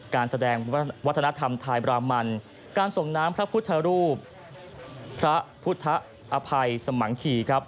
การแสดงวัฒนธรรมไทยบรามันการส่งน้ำพระพุทธรูปพระพุทธอภัยสมังคีครับ